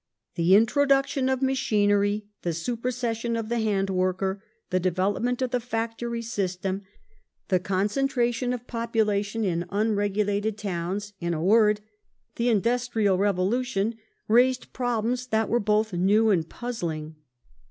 The introduction of machinery ; the supei session of the hand worker ; the development of the factory system ; the con centration of population in unregulated towns; in a word — the Industrial Revolution raised problems that were both new and State in puzzling.